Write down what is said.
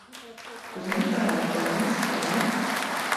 Tu zini, ka ārā ir Džounss, vai ne?